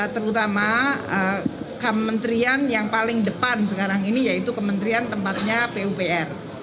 terutama kementerian yang paling depan sekarang ini yaitu kementerian tempatnya pupr